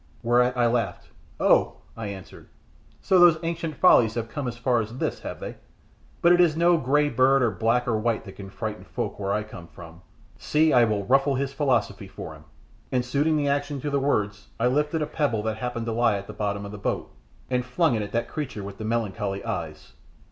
Whereat I laughed. "Oh!" I answered, "so those ancient follies have come as far as this, have they? But it is no bird grey or black or white that can frighten folk where I come from; see, I will ruffle his philosophy for him," and suiting the action to the words I lifted a pebble that happened to lie at the bottom of the boat and flung it at that creature with the melancholy eyes.